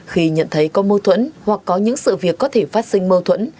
khi nhận thấy có mâu thuẫn hoặc có những sự việc có thể phát sinh mâu thuẫn